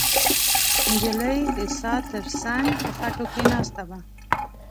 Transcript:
نجلۍ د څا تر څنګ په خټو کې ناسته وه.